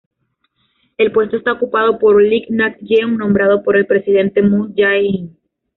El puesto está ocupado por Lee Nak-yeon, nombrado por el presidente Moon Jae-in.